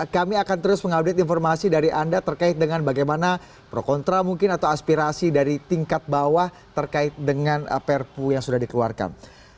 kami akan terus mengupdate informasi dari anda terkait dengan bagaimana pro kontra mungkin atau aspirasi dari tingkat bawah terkait dengan perpu yang sudah dikeluarkan